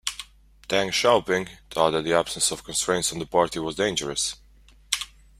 Deng Xiaoping thought that the absence of constraints on the Party was dangerous.